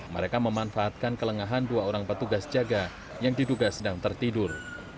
mereka memanfaatkan kelengahan dua orang petugas jaga yang diduga sedang tertidur